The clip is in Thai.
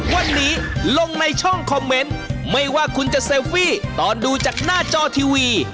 วันนี้ลงในช่องคอมเมนต์ไม่ว่าคุณจะเซลฟี่ตอนดูจากหน้าจอทีวี